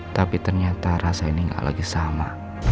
tapi ternyata rasa ini tidak lagi sama